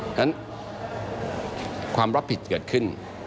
ฉะนั้นความรับผิดเกิดขึ้น